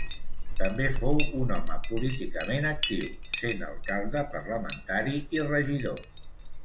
També fou un home políticament actiu, sent alcalde, parlamentari, i regidor.